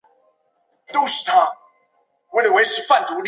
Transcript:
江西乡试第二十五名。